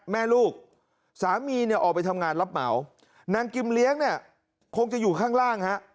แม่ลูกสามีเอาไปทำงานรับเหมานางกิมเลี้ยงคงจะอยู่ข้างล่าง